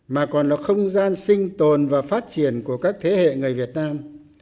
mà còn là không gian sinh tồn và phát triển của các thế hệ người việt nam